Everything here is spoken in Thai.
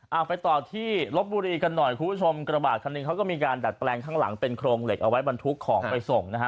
เอาไปต่อที่ลบบุรีกันหน่อยคุณผู้ชมกระบาดคันหนึ่งเขาก็มีการดัดแปลงข้างหลังเป็นโครงเหล็กเอาไว้บรรทุกของไปส่งนะฮะ